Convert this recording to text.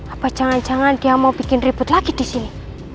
apa jangan jangan dia mau bikin ribut lagi disini